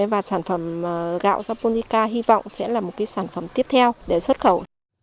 và sản phẩm gạo japonica hy vọng sẽ là một sản phẩm tiếp theo để xuất khẩu